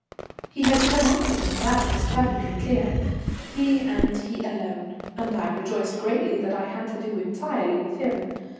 He had come after me; that was perfectly clear. He, and he alone, and I rejoiced greatly that I had to do entirely with him.